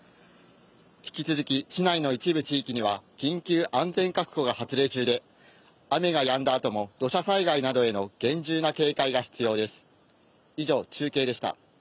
引き続き市内の一部地域には緊急安全確保が発令中で雨がやんだあとも土砂災害などへの厳重な警戒が必要です。